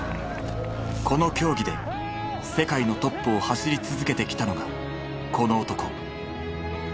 この競技で世界のトップを走り続けてきたのがこの男。